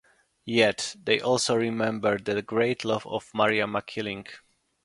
Yet they also remember the great love of Maria Makiling.